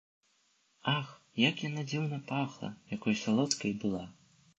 Ах, як яна дзіўна пахла, якой салодкай была!